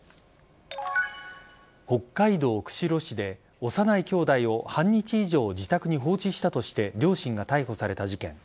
北海道釧路市で幼い兄弟を半日以上、自宅に放置したとして両親が逮捕された事件。